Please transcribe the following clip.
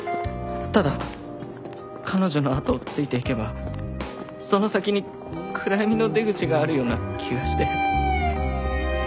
ただ彼女のあとをついていけばその先に暗闇の出口があるような気がして。